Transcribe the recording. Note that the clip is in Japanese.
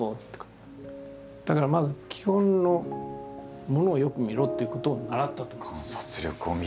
だからまず基本のものをよく見ろということを習った。